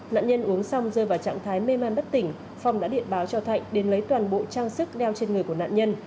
nạn nhân uống xong rơi vào trạng thái mê man bất tỉnh phong đã điện báo cho thạnh đến lấy toàn bộ trang sức đeo trên người của nạn nhân